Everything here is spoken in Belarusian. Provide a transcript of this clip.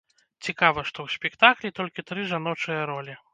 Цікава, што ў спектаклі толькі тры жаночыя ролі.